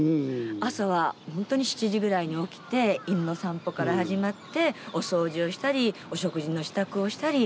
朝は本当に７時ぐらいに起きて犬の散歩から始まってお掃除をしたりお食事の支度をしたり。